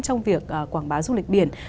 trong việc quảng bá du lịch biển